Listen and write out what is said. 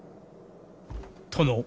殿。